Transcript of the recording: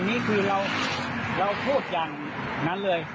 นี่คือเราพูดอย่างนั้นเลย